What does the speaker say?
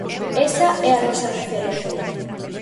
Esa é a nosa referencia.